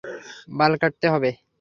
বাল কাটতে হবে?